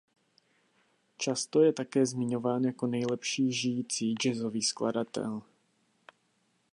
Často je také zmiňován jako nejlepší žijící jazzový skladatel.